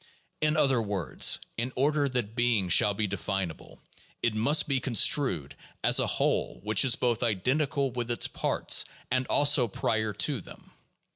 In other words, in order that being shall be definable, it must be construed as a whole which is both identical with its parts, and also prior to them.